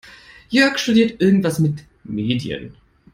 Jörg studiert irgendwas mit Medien.